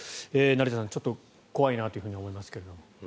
成田さん、ちょっと怖いなと思いますけども。